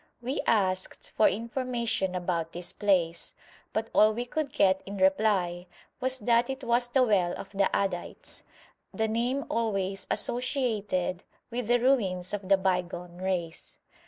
We asked for information about this place, but all we could get in reply was that it was the well of the Addites, the name always associated with the ruins of the bygone race.